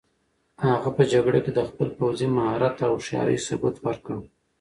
هغه په جګړه کې د خپل پوځي مهارت او هوښیارۍ ثبوت ورکړ.